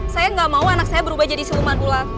saya gak mau anak saya berubah jadi siluman ular